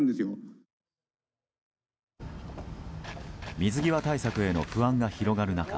水際対策への不安が広がる中